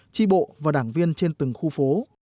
tri bộ và đảng viên trên từng khu phố